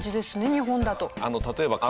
日本だと。